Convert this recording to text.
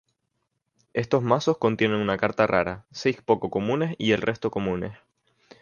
Estos mazos contienen una carta rara, seis poco comunes y el resto comunes.